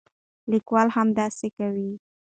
لیکوال همداسې کوي.